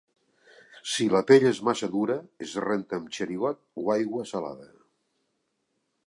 Si la pell és massa dura, es renta amb xerigot o aigua salada.